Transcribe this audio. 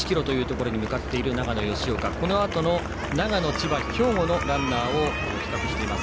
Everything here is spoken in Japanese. このあとの長野、千葉、兵庫のランナーを比較しています。